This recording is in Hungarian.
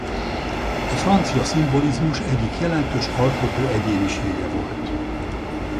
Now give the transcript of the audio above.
A francia szimbolizmus egyik jelentős alkotó egyénisége volt.